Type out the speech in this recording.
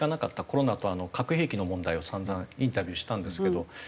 コロナと核兵器の問題を散々インタビューしたんですけど。